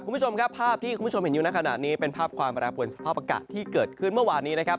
คุณผู้ชมครับภาพที่คุณผู้ชมเห็นอยู่ในขณะนี้เป็นภาพความแปรปวนสภาพอากาศที่เกิดขึ้นเมื่อวานนี้นะครับ